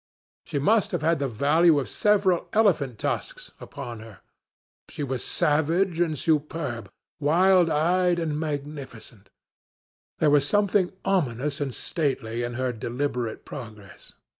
She must have had the value of several elephant tusks upon her. She was savage and superb, wild eyed and magnificent; there was something ominous and stately in her deliberate progress.